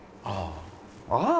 ああ。